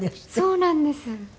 そうなんです。